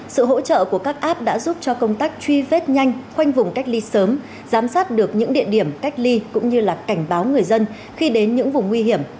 sự hỗ trợ của các app đã giúp cho công tác truy vết nhanh khoanh vùng cách ly sớm giám sát được những địa điểm cách ly cũng như là cảnh báo người dân khi đến những vùng nguy hiểm